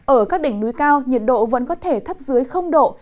ở các đỉnh núi cao nhiệt độ vẫn có thể thấp dưới độ